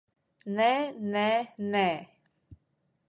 Nē, nē, nē!